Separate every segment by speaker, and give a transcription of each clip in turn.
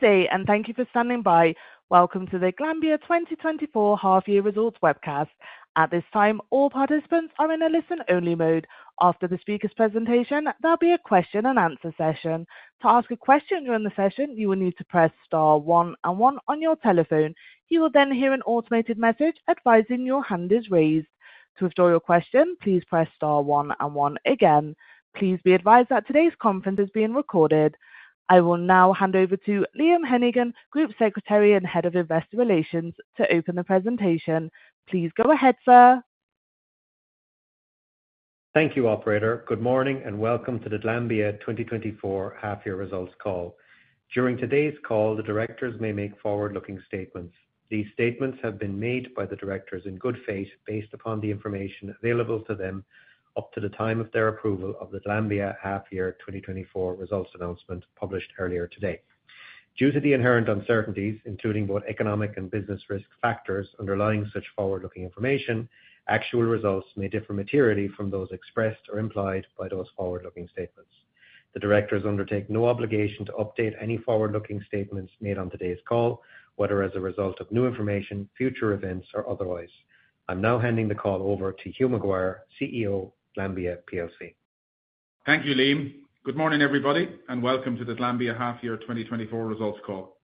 Speaker 1: Good day, and thank you for standing by. Welcome to the Glanbia 2024 half-year results webcast. At this time, all participants are in a listen-only mode. After the speaker's presentation, there'll be a question and answer session. To ask a question during the session, you will need to press star one and one on your telephone. You will then hear an automated message advising your hand is raised. To withdraw your question, please press star one and one again. Please be advised that today's conference is being recorded. I will now hand over to Liam Hennigan, Group Secretary and Head of Investor Relations, to open the presentation. Please go ahead, sir.
Speaker 2: Thank you, operator. Good morning, and welcome to the Glanbia 2024 half-year results call. During today's call, the directors may make forward-looking statements. These statements have been made by the directors in good faith, based upon the information available to them up to the time of their approval of the Glanbia half-year 2024 results announcement, published earlier today. Due to the inherent uncertainties, including both economic and business risk factors underlying such forward-looking information, actual results may differ materially from those expressed or implied by those forward-looking statements. The directors undertake no obligation to update any forward-looking statements made on today's call, whether as a result of new information, future events, or otherwise. I'm now handing the call over to Hugh McGuire, CEO, Glanbia plc.
Speaker 3: Thank you, Liam. Good morning, everybody, and welcome to the Glanbia half-year 2024 results call.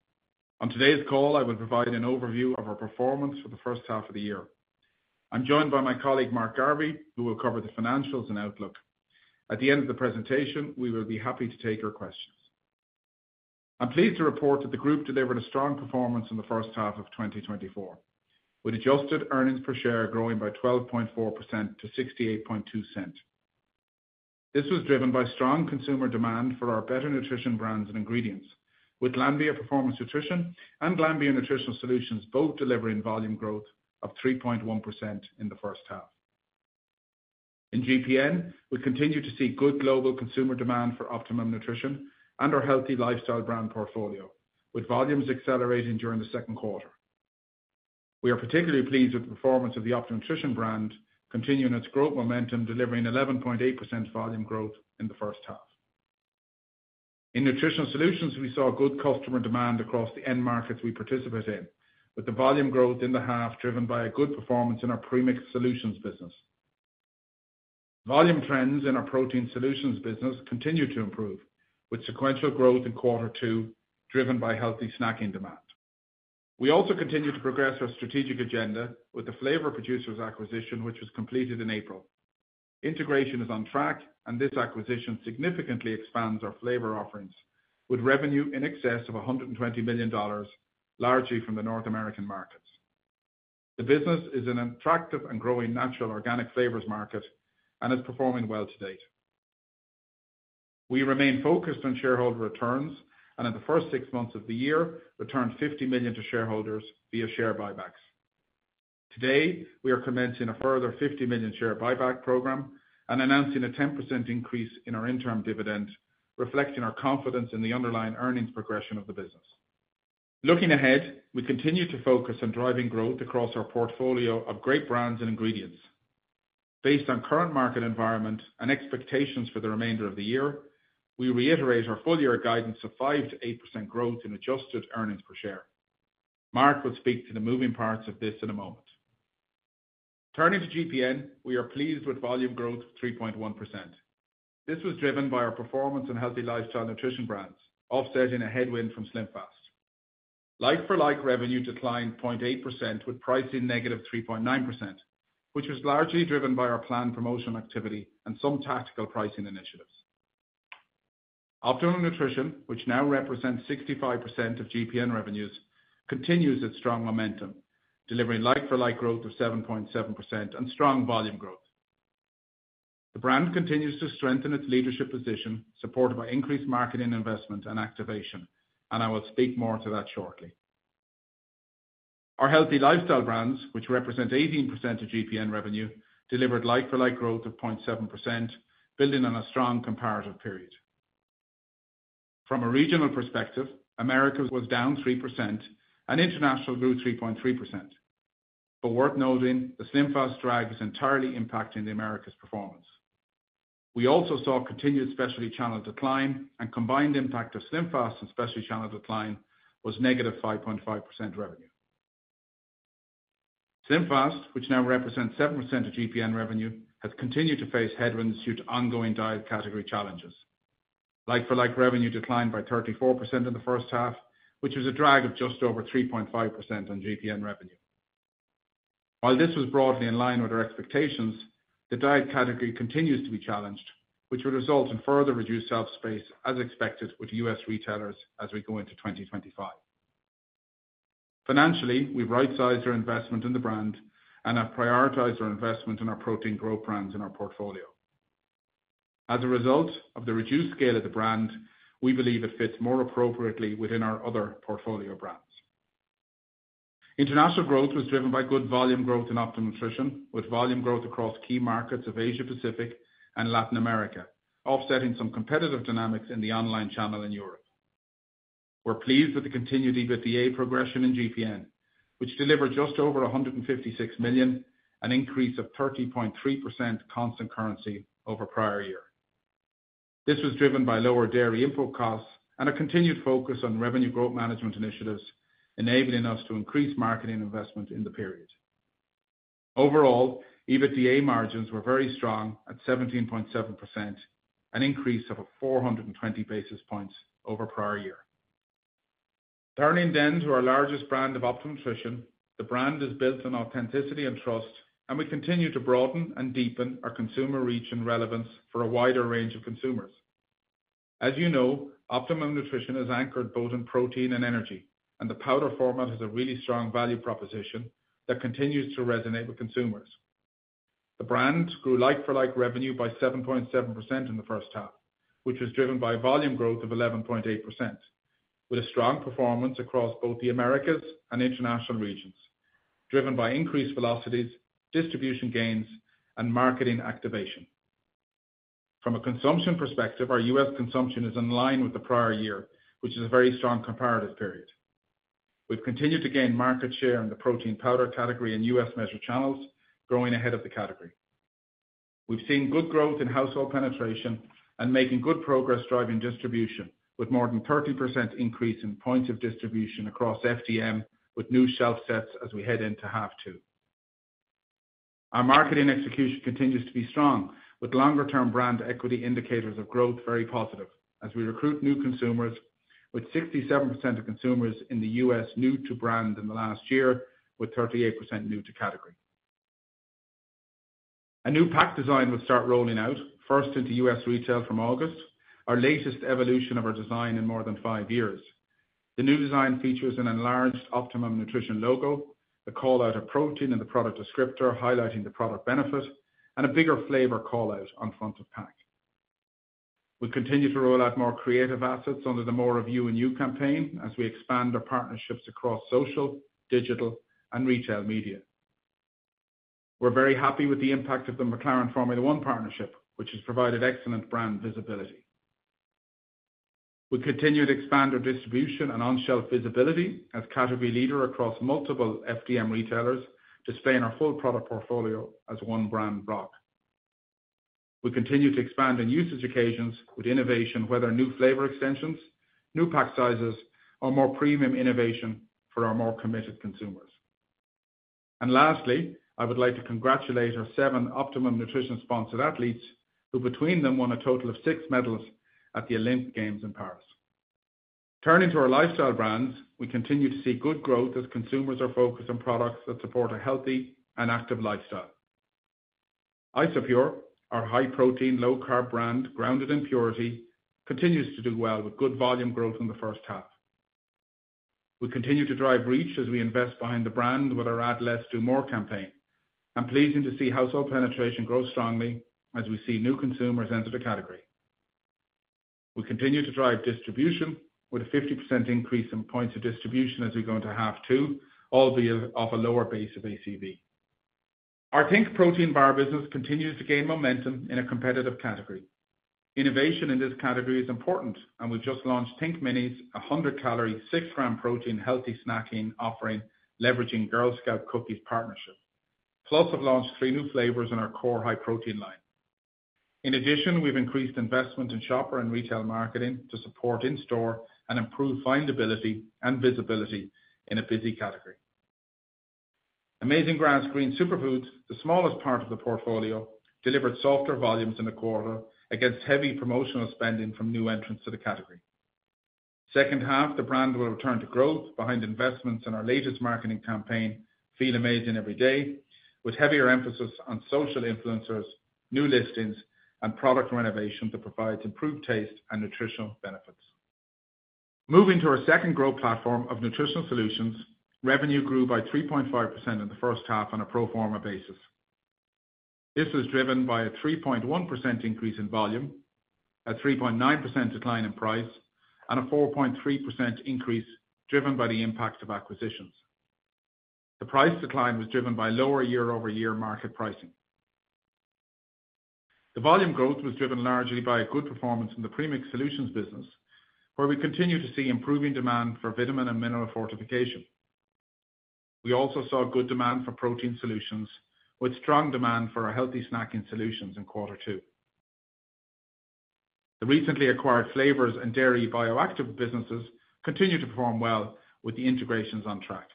Speaker 3: On today's call, I will provide an overview of our performance for the first half of the year. I'm joined by my colleague, Mark Garvey, who will cover the financials and outlook. At the end of the presentation, we will be happy to take your questions. I'm pleased to report that the group delivered a strong performance in the first half of 2024, with adjusted earnings per share growing by 12.4% to 0.682. This was driven by strong consumer demand for our better nutrition brands and ingredients, with Glanbia Performance Nutrition and Glanbia Nutritionals both delivering volume growth of 3.1% in the first half. In GPN, we continue to see good global consumer demand for Optimum Nutrition and our healthy lifestyle brand portfolio, with volumes accelerating during the second quarter. We are particularly pleased with the performance of the Optimum Nutrition brand, continuing its growth momentum, delivering 11.8% volume growth in the first half. In Nutritional Solutions, we saw good customer demand across the end markets we participate in, with the volume growth in the half driven by a good performance in our Premix Solutions business. Volume trends in our Protein Solutions business continued to improve, with sequential growth in quarter two, driven by healthy snacking demand. We also continued to progress our strategic agenda with the Flavor Producers acquisition, which was completed in April. Integration is on track, and this acquisition significantly expands our flavor offerings, with revenue in excess of $120 million, largely from the North American markets. The business is an attractive and growing natural organic flavors market and is performing well to date. We remain focused on shareholder returns, and in the first six months of the year, returned $50 million to shareholders via share buybacks. Today, we are commencing a further $50 million share buyback program and announcing a 10% increase in our interim dividend, reflecting our confidence in the underlying earnings progression of the business. Looking ahead, we continue to focus on driving growth across our portfolio of great brands and ingredients. Based on current market environment and expectations for the remainder of the year, we reiterate our full year guidance of 5%-8% growth in adjusted earnings per share. Mark will speak to the moving parts of this in a moment. Turning to GPN, we are pleased with volume growth of 3.1%. This was driven by our performance and healthy lifestyle nutrition brands, offsetting a headwind from SlimFast. Like-for-like revenue declined 0.8%, with pricing -3.9%, which was largely driven by our planned promotional activity and some tactical pricing initiatives. Optimum Nutrition, which now represents 65% of GPN revenues, continues its strong momentum, delivering like-for-like growth of 7.7% and strong volume growth. The brand continues to strengthen its leadership position, supported by increased marketing, investment, and activation, and I will speak more to that shortly. Our healthy lifestyle brands, which represent 18% of GPN revenue, delivered like-for-like growth of 0.7%, building on a strong comparative period. From a regional perspective, Americas was down 3% and international grew 3.3%. But worth noting, the SlimFast drag is entirely impacting the Americas performance. We also saw continued specialty channel decline, and combined impact of SlimFast and specialty channel decline was -5.5% revenue. SlimFast, which now represents 7% of GPN revenue, has continued to face headwinds due to ongoing diet category challenges. Like-for-like revenue declined by 34% in the first half, which was a drag of just over 3.5% on GPN revenue. While this was broadly in line with our expectations, the diet category continues to be challenged, which will result in further reduced shelf space as expected with U.S. retailers as we go into 2025. Financially, we've rightsized our investment in the brand and have prioritized our investment in our protein growth brands in our portfolio. As a result of the reduced scale of the brand, we believe it fits more appropriately within our other portfolio brands. International growth was driven by good volume growth in Optimum Nutrition, with volume growth across key markets of Asia Pacific and Latin America, offsetting some competitive dynamics in the online channel in Europe. We're pleased with the continued EBITDA progression in GPN, which delivered just over 156 million, an increase of 13.3% constant currency over prior year. This was driven by lower dairy input costs and a continued focus on revenue growth management initiatives, enabling us to increase marketing investment in the period. Overall, EBITDA margins were very strong at 17.7%, an increase of 420 basis points over prior year. Turning then to our largest brand of Optimum Nutrition. The brand is built on authenticity and trust, and we continue to broaden and deepen our consumer reach and relevance for a wider range of consumers. As you know, Optimum Nutrition is anchored both in protein and energy, and the powder format has a really strong value proposition that continues to resonate with consumers. The brand grew like-for-like revenue by 7.7% in the first half, which was driven by volume growth of 11.8%, with a strong performance across both the Americas and international regions, driven by increased velocities, distribution gains, and marketing activation. From a consumption perspective, our U.S. consumption is in line with the prior year, which is a very strong comparative period. We've continued to gain market share in the protein powder category in U.S. measured channels, growing ahead of the category. We've seen good growth in household penetration and making good progress driving distribution, with more than 30% increase in points of distribution across FDM, with new shelf sets as we head into half two. Our marketing execution continues to be strong, with longer-term brand equity indicators of growth very positive as we recruit new consumers, with 67% of consumers in the U.S. new to brand in the last year, with 38% new to category. A new pack design will start rolling out, first into U.S. retail from August, our latest evolution of our design in more than 5 years. The new design features an enlarged Optimum Nutrition logo, a call-out of protein in the product descriptor, highlighting the product benefit, and a bigger flavor call-out on front of pack. We continue to roll out more creative assets under the More of You in You campaign, as we expand our partnerships across social, digital, and retail media. We're very happy with the impact of the McLaren Formula One partnership, which has provided excellent brand visibility. We continue to expand our distribution and on-shelf visibility as category leader across multiple FDM retailers, displaying our full product portfolio as one brand block. We continue to expand in usage occasions with innovation, whether new flavor extensions, new pack sizes, or more premium innovation for our more committed consumers. Lastly, I would like to congratulate our seven Optimum Nutrition sponsored athletes, who between them won a total of six medals at the Olympic Games in Paris. Turning to our lifestyle brands, we continue to see good growth as consumers are focused on products that support a healthy and active lifestyle. Isopure, our high-protein, low-carb brand, grounded in purity, continues to do well with good volume growth in the first half. We continue to drive reach as we invest behind the brand with our Add Less Do More campaign, and pleasing to see household penetration grow strongly as we see new consumers enter the category. We continue to drive distribution with a 50% increase in points of distribution as we go into half two, albeit off a lower base of ACV. Our think! bar business continues to gain momentum in a competitive category. Innovation in this category is important, and we've just launched think! Minis, a 100-calorie, 6-gram protein, healthy snacking offering, leveraging Girl Scout Cookies partnership. Plus, have launched three new flavors in our core high-protein line. In addition, we've increased investment in shopper and retail marketing to support in-store and improve findability and visibility in a busy category. Amazing Grass Green Superfood, the smallest part of the portfolio, delivered softer volumes in the quarter against heavy promotional spending from new entrants to the category. Second half, the brand will return to growth behind investments in our latest marketing campaign, Feel Amazing Every Day, with heavier emphasis on social influencers, new listings, and product renovation that provides improved taste and nutritional benefits. Moving to our second growth platform of nutritional solutions, revenue grew by 3.5% in the first half on a pro forma basis. This was driven by a 3.1% increase in volume, a 3.9% decline in price, and a 4.3% increase driven by the impact of acquisitions. The price decline was driven by lower year-over-year market pricing. The volume growth was driven largely by a good performance in the Premix Solutions business, where we continue to see improving demand for vitamin and mineral fortification. We also saw good demand for Protein Solutions, with strong demand for our healthy snacking solutions in quarter two. The recently acquired flavors and dairy bioactive businesses continue to perform well with the integrations on track.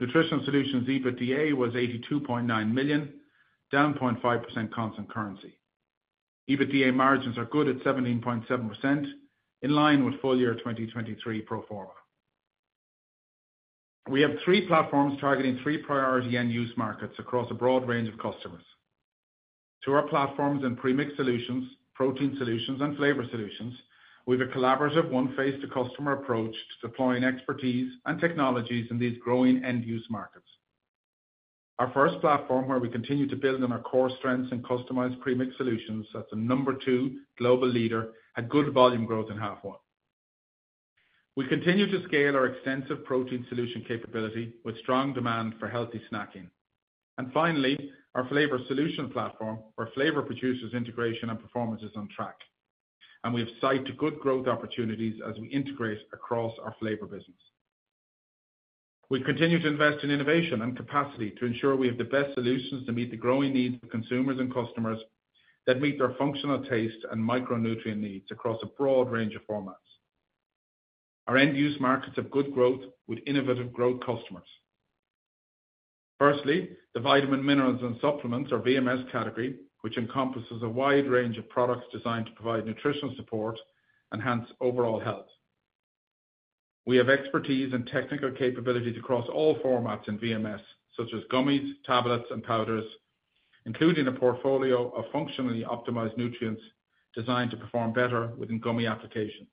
Speaker 3: Nutritional Solutions EBITDA was 82.9 million, down 0.5% constant currency. EBITDA margins are good at 17.7%, in line with full year 2023 pro forma. We have three platforms targeting three priority end-use markets across a broad range of customers. To our platforms in Premix Solutions, Protein Solutions, and Flavor Solutions, we have a collaborative one face to customer approach to deploying expertise and technologies in these growing end-use markets. Our first platform, where we continue to build on our core strengths in customized Premix Solutions, as the number two global leader, had good volume growth in H1. We continue to scale our extensive Protein Solutions capability with strong demand for healthy snacking. And finally, our Flavor Solutions platform, where Flavor Producers integration and performance is on track... and we have sights on good growth opportunities as we integrate across our flavor business. We continue to invest in innovation and capacity to ensure we have the best solutions to meet the growing needs of consumers and customers, that meet their functional taste and micronutrient needs across a broad range of formats. Our end-use markets have good growth, with innovative growth customers. Firstly, the vitamin, minerals, and supplements, or VMS category, which encompasses a wide range of products designed to provide nutritional support, enhance overall health. We have expertise and technical capabilities across all formats in VMS, such as gummies, tablets, and powders, including a portfolio of functionally optimized nutrients designed to perform better within gummy applications.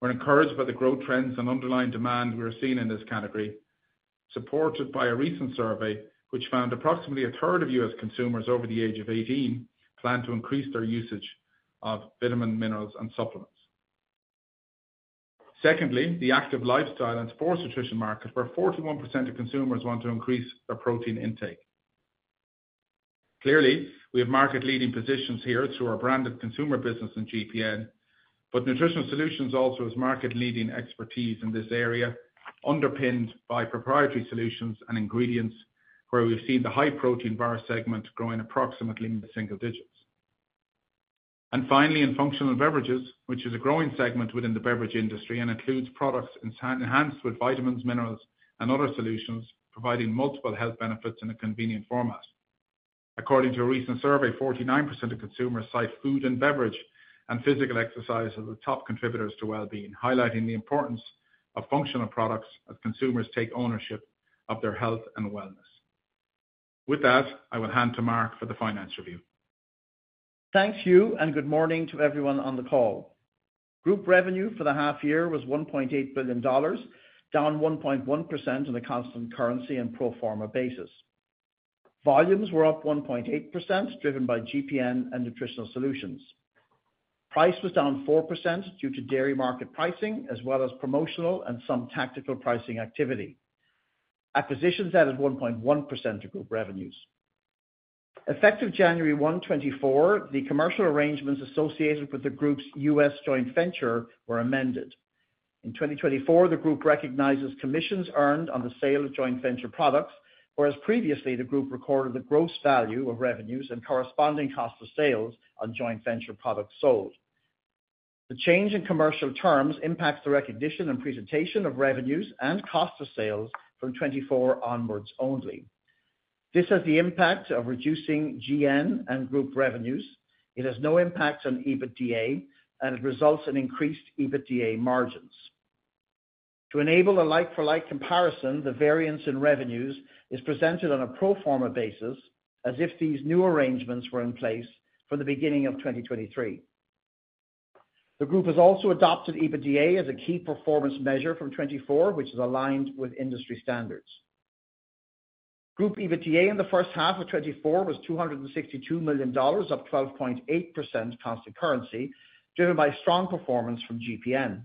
Speaker 3: We're encouraged by the growth trends and underlying demand we are seeing in this category, supported by a recent survey, which found approximately a third of U.S. consumers over the age of 18 plan to increase their usage of vitamin, minerals, and supplements. Secondly, the active lifestyle and sports nutrition market, where 41% of consumers want to increase their protein intake. Clearly, we have market-leading positions here through our branded consumer business in GPN, but nutritional solutions also has market-leading expertise in this area, underpinned by proprietary solutions and ingredients, where we've seen the high protein bar segment growing approximately in the single digits. And finally, in functional beverages, which is a growing segment within the beverage industry and includes products enhanced with vitamins, minerals, and other solutions, providing multiple health benefits in a convenient format. According to a recent survey, 49% of consumers cite food and beverage and physical exercise as the top contributors to well-being, highlighting the importance of functional products as consumers take ownership of their health and wellness. With that, I will hand to Mark for the finance review.
Speaker 4: Thanks, Hugh, and good morning to everyone on the call. Group revenue for the half year was $1.8 billion, down 1.1% on a constant currency and pro forma basis. Volumes were up 1.8%, driven by GPN and Nutritional Solutions. Price was down 4% due to dairy market pricing, as well as promotional and some tactical pricing activity. Acquisitions added 1.1% to group revenues. Effective January 1, 2024, the commercial arrangements associated with the group's U.S. joint venture were amended. In 2024, the group recognizes commissions earned on the sale of joint venture products, whereas previously, the group recorded the gross value of revenues and corresponding cost of sales on joint venture products sold. The change in commercial terms impacts the recognition and presentation of revenues and cost of sales from 2024 onwards only. This has the impact of reducing GN and group revenues. It has no impact on EBITDA, and it results in increased EBITDA margins. To enable a like-for-like comparison, the variance in revenues is presented on a pro forma basis, as if these new arrangements were in place from the beginning of 2023. The group has also adopted EBITDA as a key performance measure from 2024, which is aligned with industry standards. Group EBITDA in the first half of 2024 was $262 million, up 12.8% constant currency, driven by strong performance from GPN.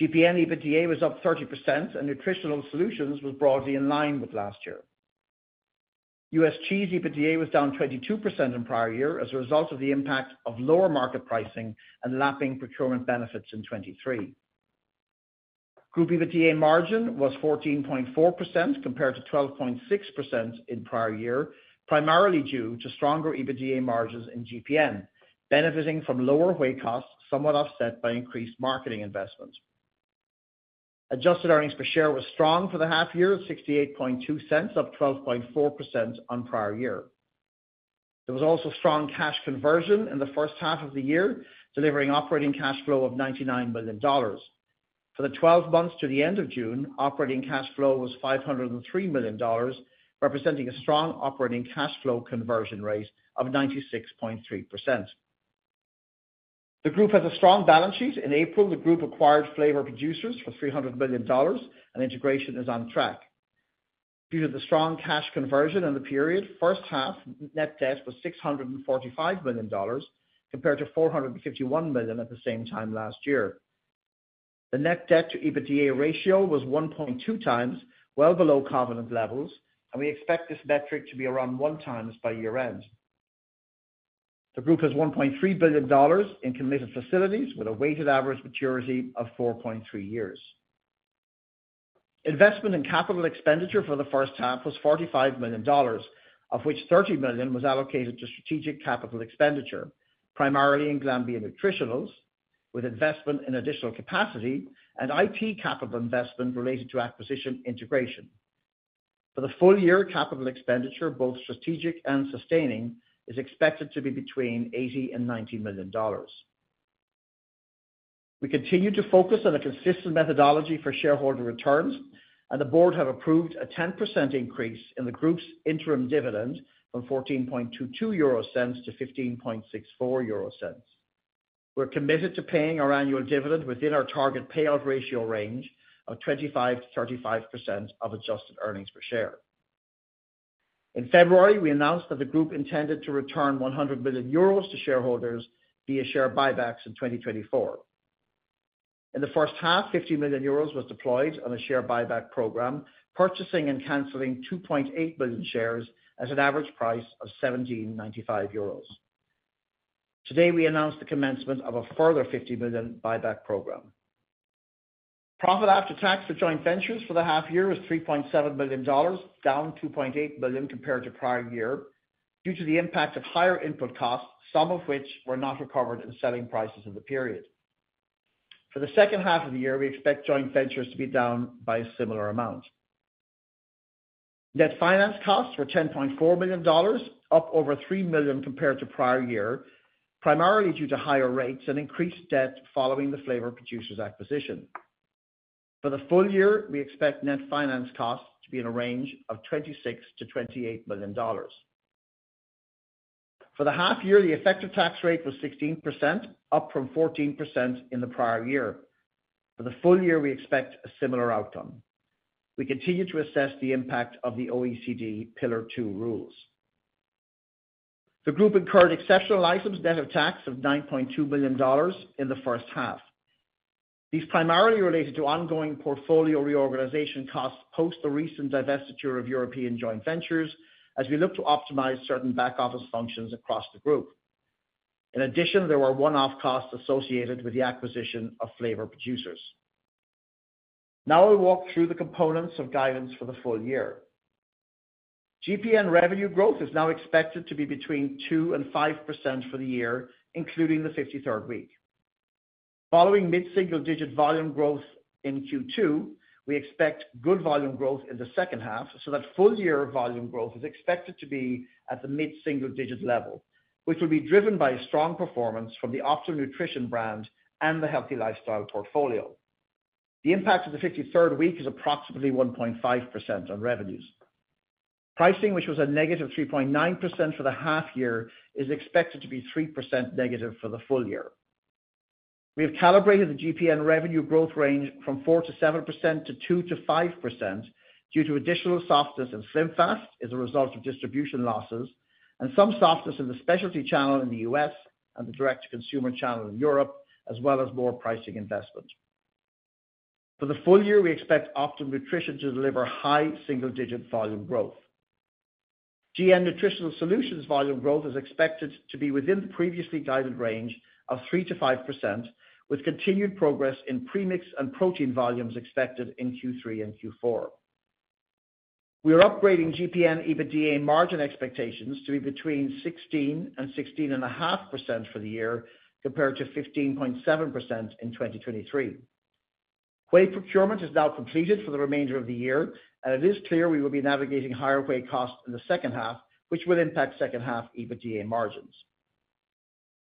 Speaker 4: GPN EBITDA was up 30%, and Nutritional Solutions was broadly in line with last year. U.S. Cheese EBITDA was down 22% on prior year, as a result of the impact of lower market pricing and lapping procurement benefits in 2023. Group EBITDA margin was 14.4%, compared to 12.6% in prior year, primarily due to stronger EBITDA margins in GPN, benefiting from lower whey costs, somewhat offset by increased marketing investments. Adjusted earnings per share was strong for the half year, of 0.682, up 12.4% on prior year. There was also strong cash conversion in the first half of the year, delivering operating cash flow of $99 billion. For the 12 months to the end of June, operating cash flow was $503 million, representing a strong operating cash flow conversion rate of 96.3%. The group has a strong balance sheet. In April, the group acquired Flavor Producers for $300 million, and integration is on track. Due to the strong cash conversion in the period, first half, net debt was $645 million, compared to $451 million at the same time last year. The net debt to EBITDA ratio was 1.2x, well below covenant levels, and we expect this metric to be around 1x by year-end. The group has $1.3 billion in committed facilities, with a weighted average maturity of 4.3 years. Investment in capital expenditure for the first half was $45 million, of which $30 million was allocated to strategic capital expenditure, primarily in Glanbia Nutritionals, with investment in additional capacity and IT capital investment related to acquisition integration. For the full year, capital expenditure, both strategic and sustaining, is expected to be between $80 million and $90 million. We continue to focus on a consistent methodology for shareholder returns, and the board have approved a 10% increase in the group's interim dividend from 0.1422- 0.1564. We're committed to paying our annual dividend within our target payout ratio range of 25%-35% of adjusted earnings per share. In February, we announced that the group intended to return 100 million euros to shareholders via share buybacks in 2024. In the first half, 50 million euros was deployed on a share buyback program, purchasing and canceling 2.8 billion shares at an average price of 17.95 euros. Today, we announced the commencement of a further 50 million buyback program. Profit after tax for joint ventures for the half year is $3.7 billion, down $2.8 billion compared to prior year, due to the impact of higher input costs, some of which were not recovered in selling prices in the period. For the second half of the year, we expect joint ventures to be down by a similar amount. Net finance costs were $10.4 billion, up over $3 million compared to prior year, primarily due to higher rates and increased debt following the Flavor Producers acquisition. For the full year, we expect net finance costs to be in a range of $26 million-$28 million. For the half year, the effective tax rate was 16%, up from 14% in the prior year. For the full year, we expect a similar outcome. We continue to assess the impact of the OECD Pillar Two rules. The group incurred exceptional items net of tax of $9.2 billion in the first half. These primarily related to ongoing portfolio reorganization costs post the recent divestiture of European joint ventures, as we look to optimize certain back office functions across the group. In addition, there were one-off costs associated with the acquisition of Flavor Producers. Now I'll walk through the components of guidance for the full year. GPN revenue growth is now expected to be between 2% and 5% for the year, including the 53rd week. Following mid-single-digit volume growth in Q2, we expect good volume growth in the second half, so that full year volume growth is expected to be at the mid-single-digit level, which will be driven by strong performance from the Optimum Nutrition brand and the healthy lifestyle portfolio. The impact of the 53rd week is approximately 1.5% on revenues. Pricing, which was a -3.9% for the half year, is expected to be -3% for the full year. We have calibrated the GPN revenue growth range from 4%-7% to 2%-5%, due to additional softness in SlimFast as a result of distribution losses and some softness in the specialty channel in the U.S. and the direct-to-consumer channel in Europe, as well as more pricing investment. For the full year, we expect Optimum Nutrition to deliver high single-digit volume growth. GN Nutritional Solutions volume growth is expected to be within the previously guided range of 3%-5%, with continued progress in premix and protein volumes expected in Q3 and Q4. We are upgrading GPN EBITDA margin expectations to be between 16%-16.5% for the year, compared to 15.7% in 2023. Whey procurement is now completed for the remainder of the year, and it is clear we will be navigating higher whey costs in the second half, which will impact second half EBITDA margins.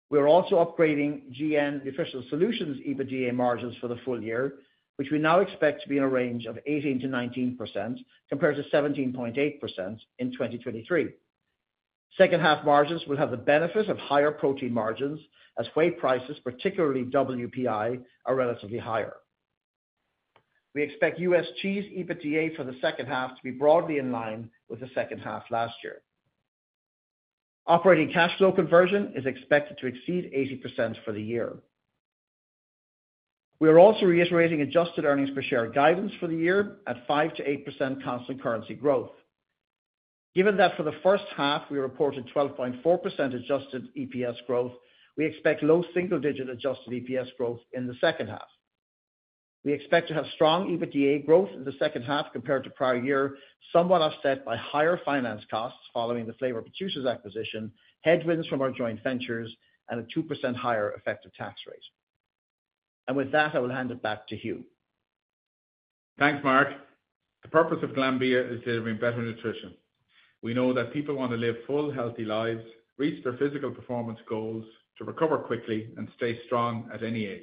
Speaker 4: We are also upgrading GN Nutritional Solutions EBITDA margins for the full year, which we now expect to be in a range of 18%-19%, compared to 17.8% in 2023. Second half margins will have the benefit of higher protein margins as whey prices, particularly WPI, are relatively higher. We expect U.S. cheese EBITDA for the second half to be broadly in line with the second half last year. Operating cash flow conversion is expected to exceed 80% for the year. We are also reiterating adjusted earnings per share guidance for the year at 5%-8% constant currency growth. Given that for the first half, we reported 12.4% adjusted EPS growth, we expect low single digit adjusted EPS growth in the second half. We expect to have strong EBITDA growth in the second half compared to prior year, somewhat offset by higher finance costs following the Flavor Producers acquisition, headwinds from our joint ventures, and a 2% higher effective tax rate. With that, I will hand it back to Hugh.
Speaker 3: Thanks, Mark. The purpose of Glanbia is delivering better nutrition. We know that people want to live full, healthy lives, reach their physical performance goals, to recover quickly and stay strong at any age.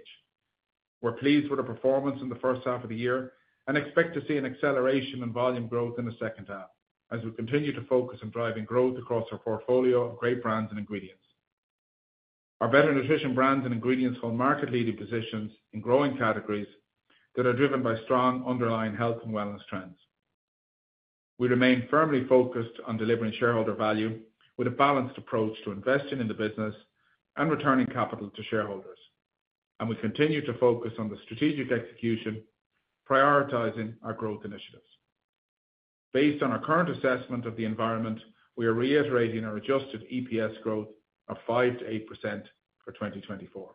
Speaker 3: We're pleased with the performance in the first half of the year and expect to see an acceleration in volume growth in the second half, as we continue to focus on driving growth across our portfolio of great brands and ingredients. Our better nutrition brands and ingredients hold market-leading positions in growing categories that are driven by strong underlying health and wellness trends. We remain firmly focused on delivering shareholder value with a balanced approach to investing in the business and returning capital to shareholders, and we continue to focus on the strategic execution, prioritizing our growth initiatives. Based on our current assessment of the environment, we are reiterating our Adjusted EPS growth of 5%-8% for 2024.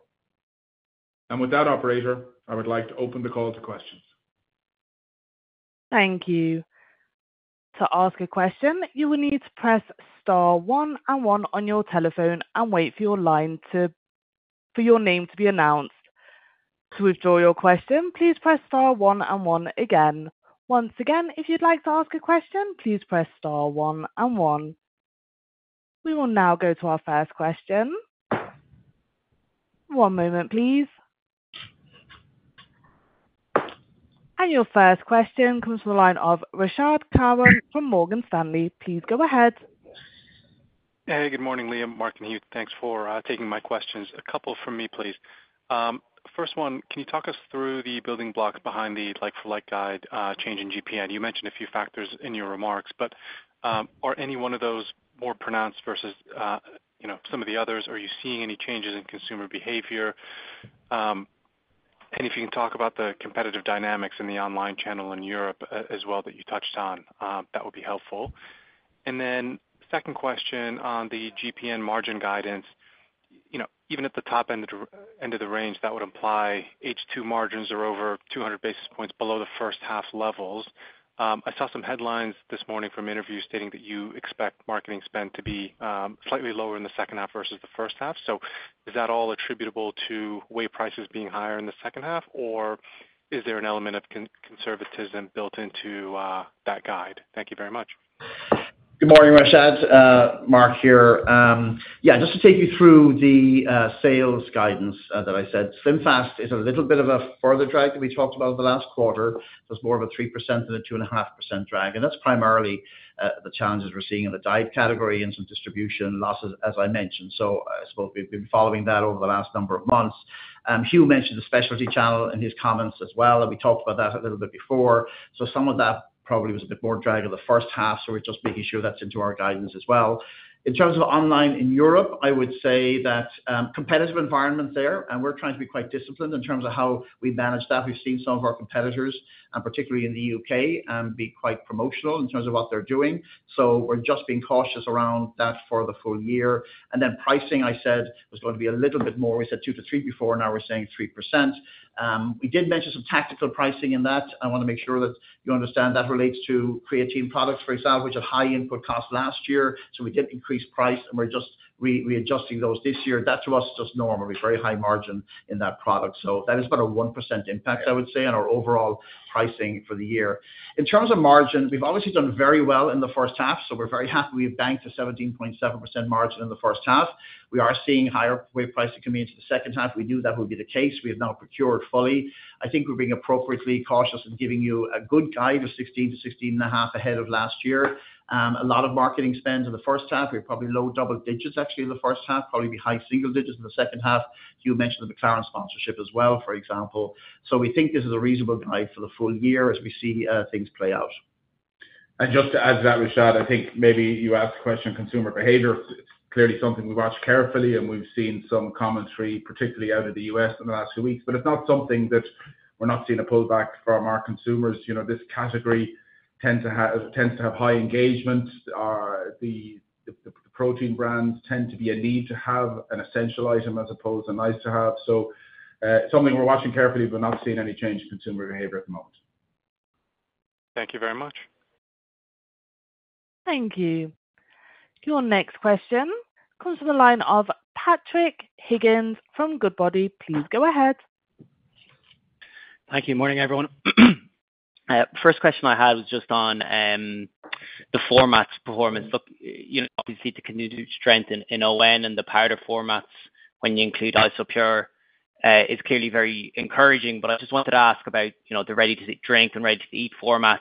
Speaker 3: With that, operator, I would like to open the call to questions.
Speaker 1: Thank you. To ask a question, you will need to press star one and one on your telephone and wait for your line to, for your name to be announced. To withdraw your question, please press star one and one again. Once again, if you'd like to ask a question, please press star one and one. We will now go to our first question. One moment, please. And your first question comes from the line of Rashad Kawan from Morgan Stanley. Please go ahead.
Speaker 5: Hey, good morning, Liam, Mark, and Hugh. Thanks for taking my questions. A couple from me, please. First one, can you talk us through the building blocks behind the Like-for-like guide change in GPN? You mentioned a few factors in your remarks, but are any one of those more pronounced versus you know, some of the others? Are you seeing any changes in consumer behavior? And if you can talk about the competitive dynamics in the online channel in Europe as well, that you touched on, that would be helpful. And then second question on the GPN margin guidance. You know, even at the top end of the end of the range, that would imply H2 margins are over 200 basis points below the first half levels. I saw some headlines this morning from interviews stating that you expect marketing spend to be slightly lower in the second half versus the first half. So is that all attributable to whey prices being higher in the second half, or is there an element of conservatism built into that guide? Thank you very much.
Speaker 4: Good morning, Rashad. Mark here. Yeah, just to take you through the sales guidance that I said, SlimFast is a little bit of a further drag that we talked about in the last quarter. There's more of a 3% than a 2.5% drag, and that's primarily the challenges we're seeing in the diet category and some distribution losses, as I mentioned. I suppose we've been following that over the last number of months. Hugh mentioned the specialty channel in his comments as well, and we talked about that a little bit before. Some of that probably was a bit more drag of the first half, so we're just making sure that's into our guidance as well. In terms of online in Europe, I would say that, competitive environment there, and we're trying to be quite disciplined in terms of how we manage that. We've seen some of our competitors, and particularly in the U.K., be quite promotional in terms of what they're doing. So we're just being cautious around that for the full year. And then pricing, I said, was going to be a little bit more. We said 2%-3% before, now we're saying 3%. We did mention some tactical pricing in that. I wanna make sure that you understand that relates to Creatine products, for example, which had high input costs last year. So we did increase price, and we're just readjusting those this year. That to us is just normal. It's very high margin in that product. So that is about a 1% impact, I would say, on our overall pricing for the year. In terms of margins, we've obviously done very well in the first half, so we're very happy we've banked a 17.7% margin in the first half. We are seeing higher whey pricing coming into the second half. We knew that would be the case. We have now procured fully. I think we're being appropriately cautious in giving you a good guide of 16%-16.5% ahead of last year. A lot of marketing spends in the first half. We're probably low double digits, actually, in the first half, probably be high single digits in the second half. You mentioned the McLaren sponsorship as well, for example. So we think this is a reasonable guide for the full year as we see things play out.
Speaker 3: Just to add to that, Rashad, I think maybe you asked the question, consumer behavior. It's clearly something we watch carefully, and we've seen some commentary, particularly out of the U.S. in the last few weeks. But it's not something that we're not seeing a pullback from our consumers. You know, this category tends to have high engagements. The protein brands tend to be a need to have an essential item as opposed to nice to have. So, something we're watching carefully, but not seeing any change in consumer behavior at the moment.
Speaker 5: Thank you very much.
Speaker 1: Thank you. Your next question comes from the line of Patrick Higgins from Goodbody. Please go ahead.
Speaker 6: Thank you. Morning, everyone. First question I had was just on the format's performance. Look, you know, obviously, the continued strength in ON and the powder formats when you include Isopure is clearly very encouraging. But I just wanted to ask about, you know, the ready-to-drink and ready-to-eat formats.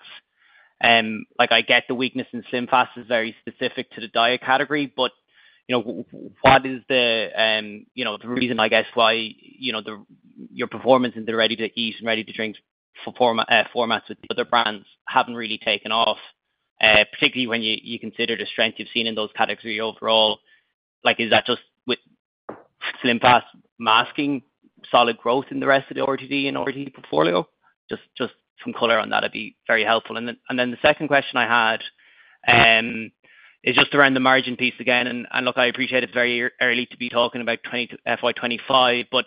Speaker 6: Like, I get the weakness in SlimFast is very specific to the diet category, but, you know, what is the, you know, the reason, I guess, why, you know, the your performance in the ready-to-eat and ready-to-drink formats with the other brands haven't really taken off, particularly when you consider the strength you've seen in those categories overall. Like, is that just with SlimFast masking solid growth in the rest of the RTD and RTE portfolio? Just some color on that'd be very helpful. And then the second question I had is just around the margin piece again. And look, I appreciate it's very early to be talking about FY 2025, but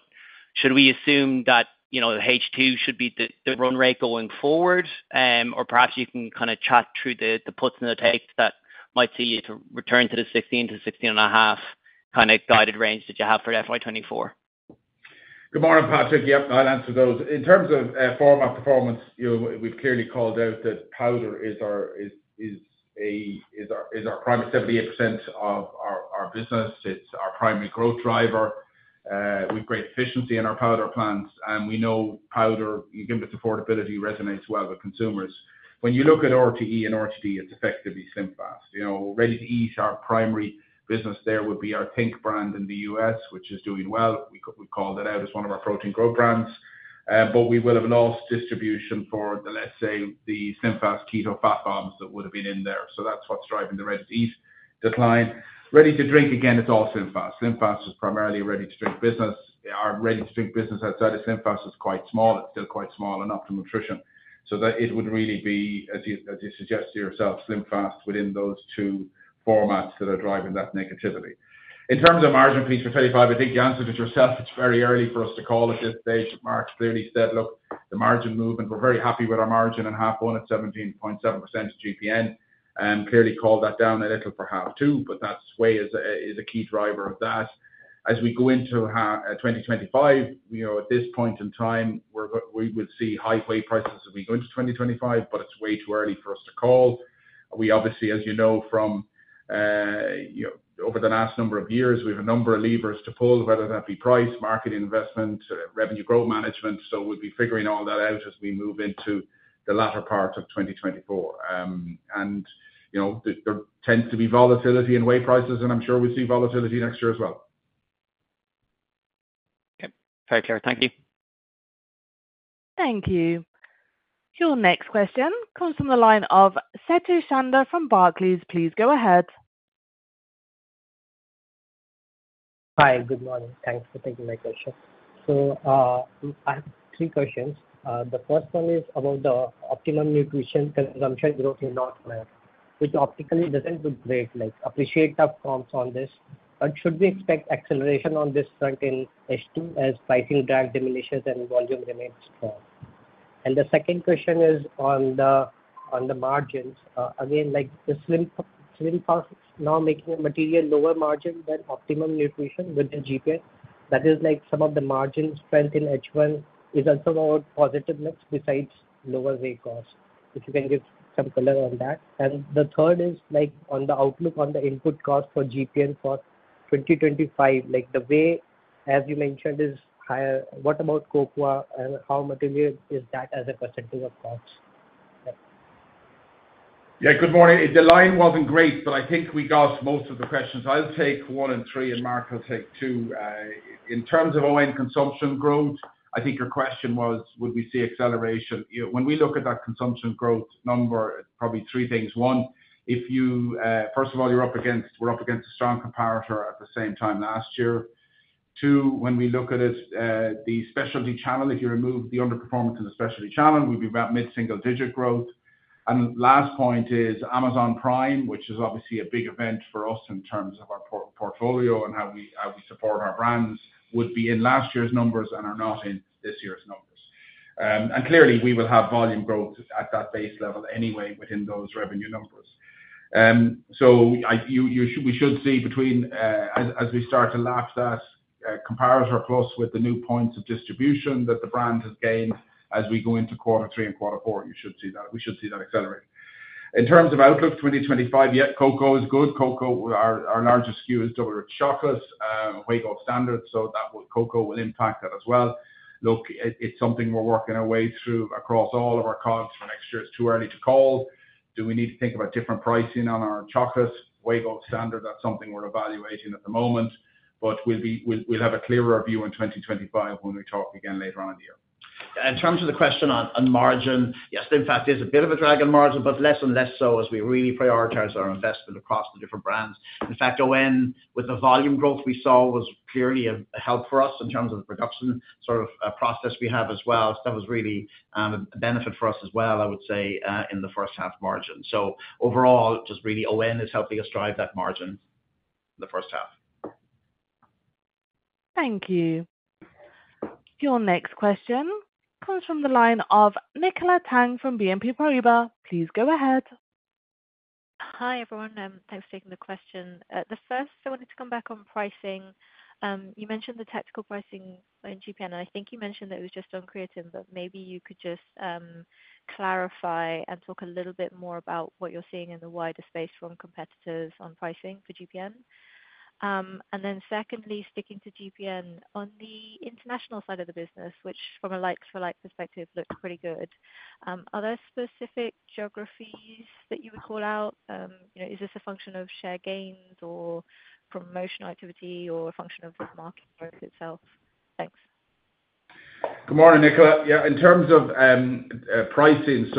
Speaker 6: should we assume that, you know, the H2 should be the run rate going forward? Or perhaps you can kind of chat through the puts and the takes that might see you to return to the 16-16.5 kind of guided range that you have for FY 2024.
Speaker 3: Good morning, Patrick. Yep, I'll answer those. In terms of format performance, you know, we've clearly called out that powder is our primary 78% of our business. It's our primary growth driver. We've great efficiency in our powder plants, and we know powder, given its affordability, resonates well with consumers. When you look at RTE and RTD, it's effectively SlimFast. You know, ready-to-eat, our primary business there would be our think! brand in the U.S., which is doing well. We called it out as one of our protein growth brands. But we had a lost distribution for the, let's say, the SlimFast Keto Fat Bombs that would have been in there. So that's what's driving the ready-to-eat decline. Ready-to-drink, again, it's all SlimFast. SlimFast is primarily a ready-to-drink business. Our ready-to-drink business outside of SlimFast is quite small. It's still quite small in Optimum Nutrition. So that it would really be, as you, as you suggested yourself, SlimFast within those two formats that are driving that negativity. In terms of margin piece for 25, I think you answered it yourself. It's very early for us to call at this stage. Mark clearly said, look, the margin movement, we're very happy with our margin in half one at 17.7% GPN, and clearly called that down a little for half two, but that whey is a, is a key driver of that. As we go into 2025, you know, at this point in time, we're we would see high whey prices as we go into 2025, but it's way too early for us to call. We obviously, as you know, from, you know, over the last number of years, we have a number of levers to pull, whether that be price, market investment, revenue growth management. So we'll be figuring all that out as we move into the latter part of 2024. And, you know, there tends to be volatility in whey prices, and I'm sure we'll see volatility next year as well.
Speaker 6: Okay, very clear. Thank you.
Speaker 1: Thank you. Your next question comes from the line of Sethu Sharda from Barclays. Please go ahead....
Speaker 7: Hi, good morning. Thanks for taking my question. So, I have three questions. The first one is about the Optimum Nutrition consumption growth in North America, which optically doesn't look great, like, appreciate tough comps on this, but should we expect acceleration on this front in H2 as pricing drag diminishes and volume remains strong? And the second question is on the margins. Again, like, the SlimFast now making a material lower margin than Optimum Nutrition with the GPN. That is, like, some of the margin strength in H1 is also about positioning besides lower whey costs, if you can give some color on that. And the third is, like, on the outlook on the input cost for GPN for 2025, like the whey as you mentioned, is higher. What about cocoa, and how material is that as a percentage of costs?
Speaker 3: Yeah, good morning. The line wasn't great, but I think we got most of the questions. I'll take one and three, and Mark will take two. In terms of ON consumption growth, I think your question was, would we see acceleration? You know, when we look at that consumption growth number, probably three things: One, if you... First of all, you're up against-- we're up against a strong comparator at the same time last year. Two, when we look at it, the specialty channel, if you remove the underperformance in the specialty channel, we'd be about mid-single digit growth. And last point is Amazon Prime, which is obviously a big event for us in terms of our por- portfolio and how we, how we support our brands, would be in last year's numbers and are not in this year's numbers. Clearly, we will have volume growth at that base level anyway, within those revenue numbers. So we should see between, as we start to lap that comparator plus with the new points of distribution that the brand has gained as we go into quarter three and quarter four, you should see that, we should see that accelerate. In terms of outlook 2025, yeah, cocoa is good. Cocoa, our largest SKU is Double Rich Chocolate, way above standard, so that will... Cocoa will impact that as well. Look, it's something we're working our way through across all of our comps for next year. It's too early to call. Do we need to think about different pricing on our chocolate? Way above standard, that's something we're evaluating at the moment, but we'll be... We'll have a clearer view in 2025 when we talk again later on in the year.
Speaker 4: In terms of the question on margin, yes, SlimFast is a bit of a drag on margin, but less and less so as we really prioritize our investment across the different brands. In fact, ON, with the volume growth we saw, was clearly a help for us in terms of the production, sort of, process we have as well. So that was really a benefit for us as well, I would say, in the first half margin. So overall, just really, ON is helping us drive that margin in the first half.
Speaker 1: Thank you. Your next question comes from the line of Nicola Tang from BNP Paribas. Please go ahead.
Speaker 8: Hi, everyone, thanks for taking the question. The first, I wanted to come back on pricing. You mentioned the tactical pricing in GPN, and I think you mentioned that it was just on creatine, but maybe you could just clarify and talk a little bit more about what you're seeing in the wider space from competitors on pricing for GPN. And then secondly, sticking to GPN, on the international side of the business, which from a like-for-like perspective, looked pretty good, are there specific geographies that you would call out? You know, is this a function of share gains or promotional activity, or a function of the market growth itself? Thanks.
Speaker 3: Good morning, Nicola. Yeah, in terms of pricing,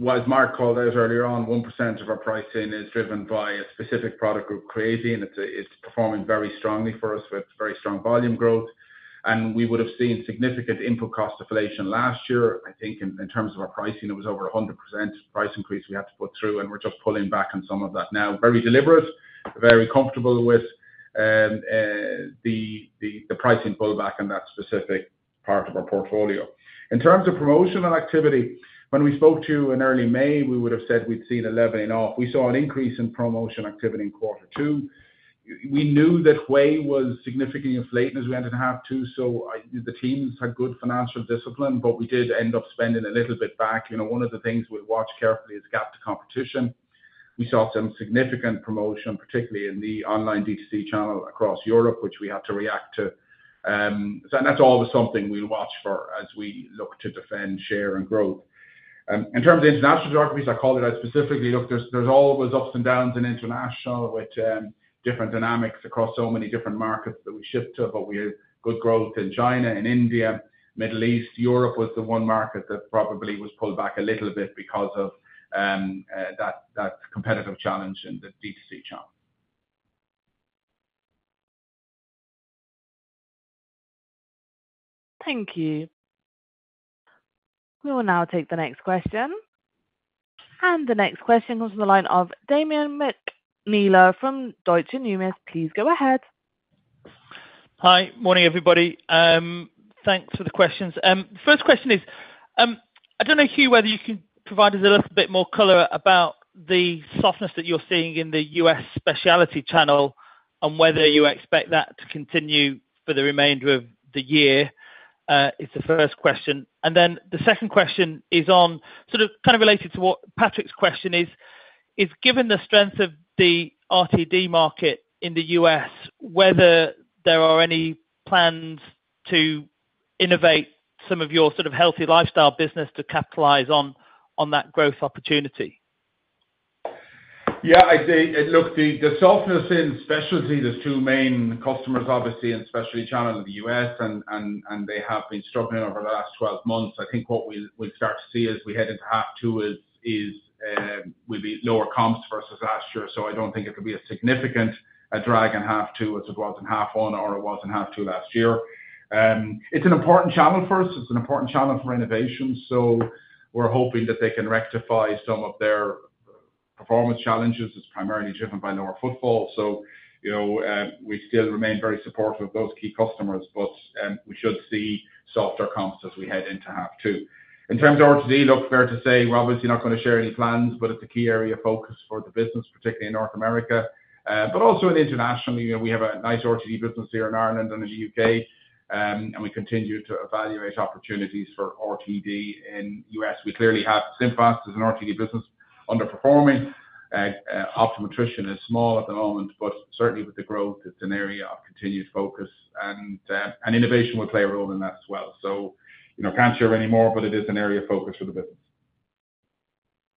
Speaker 3: so what Mark called out earlier on, 1% of our pricing is driven by a specific product called Creatine. It's performing very strongly for us with very strong volume growth, and we would have seen significant input cost inflation last year. I think in terms of our pricing, it was over 100% price increase we had to put through, and we're just pulling back on some of that now. Very deliberate, very comfortable with the pricing pullback in that specific part of our portfolio. In terms of promotional activity, when we spoke to you in early May, we would have said we'd seen a leveling off. We saw an increase in promotion activity in quarter two. We knew that whey was significantly inflated as we entered half two, so I... The teams had good financial discipline, but we did end up spending a little bit back. You know, one of the things we watch carefully is gap to competition. We saw some significant promotion, particularly in the online D2C channel across Europe, which we had to react to. And that's always something we'll watch for as we look to defend share and growth. In terms of international geographies, I called it out specifically. Look, there's always ups and downs in international, with different dynamics across so many different markets that we ship to, but we have good growth in China and India, Middle East. Europe was the one market that probably was pulled back a little bit because of that competitive challenge in the D2C channel.
Speaker 1: Thank you. We will now take the next question. The next question comes from the line of Damian McNeela from Deutsche Numis. Please go ahead.
Speaker 9: Hi. Morning, everybody. Thanks for the questions. First question is, I don't know, Hugh, whether you can provide us a little bit more color about the softness that you're seeing in the U.S. specialty channel, and whether you expect that to continue for the remainder of the year, is the first question. And then the second question is on sort of, kind of related to what Patrick's question is, is given the strength of the RTD market in the U.S., whether there are any plans to innovate some of your sort of healthy lifestyle business to capitalize on that growth opportunity?
Speaker 3: Yeah, I'd say... Look, the softness in specialty, there's two main customers, obviously, in the specialty channel in the U.S., and they have been struggling over the last 12 months. I think what we'll start to see as we head into half two is will be lower comps versus last year, so I don't think it will be as significant a drag in half two as it was in half one, or it was in half two last year. It's an important channel for us. It's an important channel for innovation, so we're hoping that they can rectify some of their performance challenges. It's primarily driven by lower footfall. So, you know, we still remain very supportive of those key customers, but we should see softer comps as we head into half two. In terms of RTD, look, fair to say we're obviously not gonna share any plans, but it's a key area of focus for the business, particularly in North America. But also internationally, you know, we have a nice RTD business here in Ireland and in the U.K., and we continue to evaluate opportunities for RTD. In the U.S., we clearly have SlimFast as an RTD business, underperforming. Optimum Nutrition is small at the moment, but certainly with the growth, it's an area of continued focus and innovation will play a role in that as well. So, you know, can't share any more, but it is an area of focus for the business.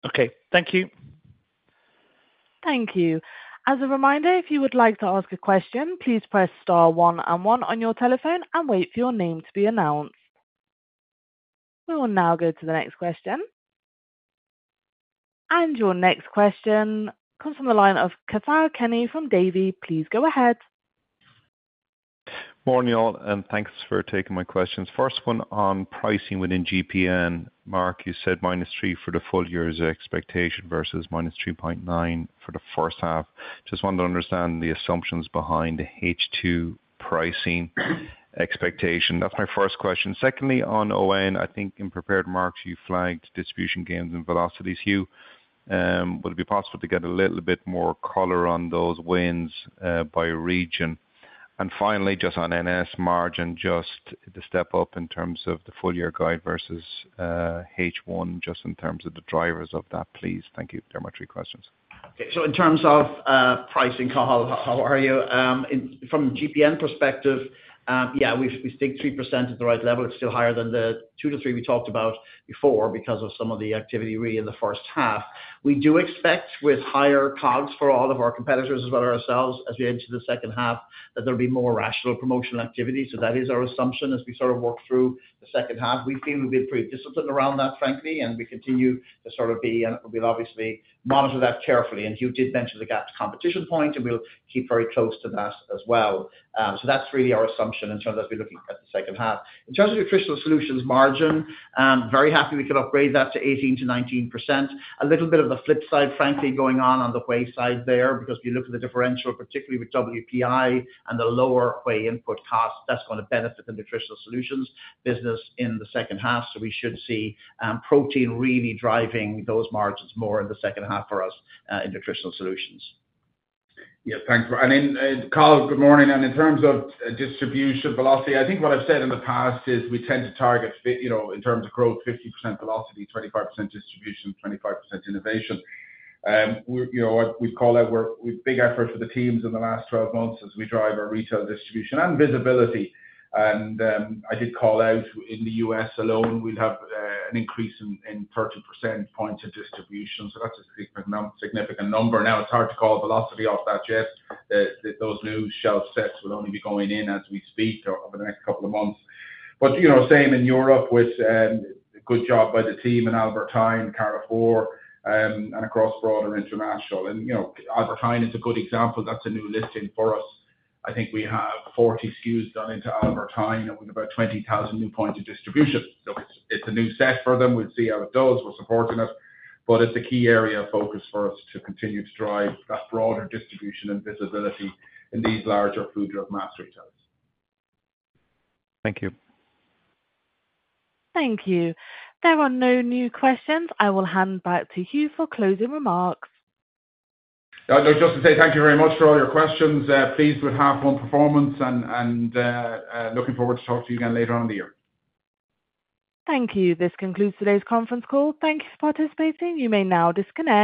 Speaker 9: Okay. Thank you.
Speaker 1: Thank you. As a reminder, if you would like to ask a question, please press star one and one on your telephone and wait for your name to be announced. We will now go to the next question. And your next question comes from the line of Cathal Kenny from Davy. Please go ahead.
Speaker 10: Morning, y'all, and thanks for taking my questions. First one on pricing within GPN. Mark, you said -3 for the full year's expectation versus -3.9 for the first half. Just wanted to understand the assumptions behind the H2 pricing expectation. That's my first question. Secondly, on ON, I think in prepared remarks, you flagged distribution gains and velocities. Hugh, would it be possible to get a little bit more color on those wins by region? And finally, just on NS margin, just the step up in terms of the full year guide versus H1, just in terms of the drivers of that, please. Thank you. They're my three questions.
Speaker 4: Okay. So in terms of pricing, Cathal, how are you? In, from GPN perspective, yeah, we think 3% is the right level. It's still higher than the 2%-3% we talked about before because of some of the activity really in the first half. We do expect with higher COGS for all of our competitors as well, ourselves, as we edge into the second half, that there'll be more rational promotional activity. So that is our assumption as we sort of work through the second half. We feel we've been pretty disciplined around that, frankly, and we continue to sort of be, and we'll obviously monitor that carefully. And Hugh did mention the gap to competition point, and we'll keep very close to that as well. So that's really our assumption in terms as we're looking at the second half. In terms of Nutritional Solutions margin, very happy we could upgrade that to 18%-19%. A little bit of the flip side, frankly, going on the whey side there, because if you look at the differential, particularly with WPI and the lower whey input cost, that's gonna benefit the Nutritional Solutions business in the second half. So we should see, protein really driving those margins more in the second half for us, in Nutritional Solutions.
Speaker 3: Yeah, thanks. And then, Cathal, good morning. And in terms of distribution velocity, I think what I've said in the past is we tend to target, you know, in terms of growth, 50% velocity, 25% distribution, 25% innovation. We're, you know, what we'd call out, we're, we big effort for the teams in the last 12 months as we drive our retail distribution and visibility. And, I did call out in the U.S. alone, we'd have an increase in 30 percentage points of distribution, so that's a significant number. Now, it's hard to call velocity off that just, those new shelf sets will only be going in as we speak or over the next couple of months. But, you know, same in Europe with good job by the team in Albert Heijn, Carrefour, and across broader international. You know, Albert Heijn is a good example. That's a new listing for us. I think we have 40 SKUs done into Albert Heijn and with about 20,000 new points of distribution. It's, it's a new set for them. We'll see how it does. We're supporting it, but it's a key area of focus for us to continue to drive that broader distribution and visibility in these larger food, drug, mass retailers.
Speaker 10: Thank you.
Speaker 1: Thank you. There are no new questions. I will hand back to Hugh for closing remarks.
Speaker 3: No, just to say thank you very much for all your questions. Pleased with half one performance and looking forward to talk to you again later on in the year.
Speaker 1: Thank you. This concludes today's conference call. Thank you for participating. You may now disconnect.